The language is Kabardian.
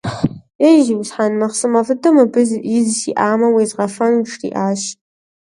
Ей, зиусхьэн, махъсымэфӀ дыдэу мыбы из сиӀамэ, уезгъэфэнут, - жриӀащ.